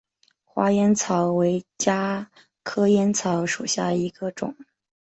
花烟草为茄科烟草属下的一个种。